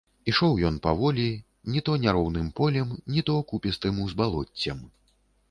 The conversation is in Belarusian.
Ішоў ён паволі, ні то няроўным полем, ні то купістым узбалоццем.